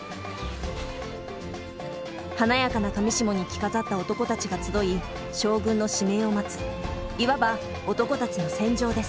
華やかな裃に着飾った男たちが集い将軍の指名を待ついわば男たちの戦場です。